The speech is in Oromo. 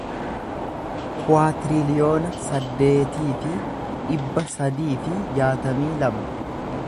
kuwaatiriliyoona saddeetii fi dhibba sadii fi jaatamii lama